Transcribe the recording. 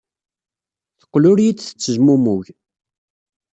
Teqqel ur iyi-d-tettezmumug.